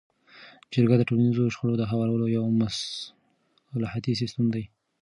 جرګه د ټولنیزو شخړو د هوارولو یو مصلحتي سیستم دی.